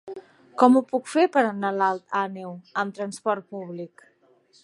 Com ho puc fer per anar a Alt Àneu amb trasport públic?